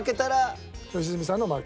良純さんの負け。